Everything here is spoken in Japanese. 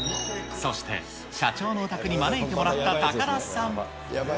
そして、社長のお宅に招いてもらった高田さん。